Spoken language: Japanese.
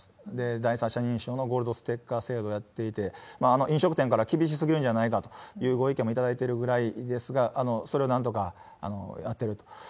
第三者認証のゴールドステッカー制度をやっていて、飲食店から厳しすぎるんじゃないかというご意見もいただいてるぐらいですが、それをなんとかやってると。